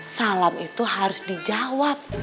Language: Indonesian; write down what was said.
salam itu harus dijawab